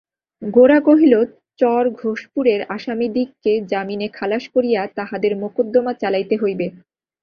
গোরা কহিল, চর-ঘোষপুরের আসামিদিগকে জামিনে খালাস করিয়া তাহাদের মকদ্দমা চালাইতে হইবে।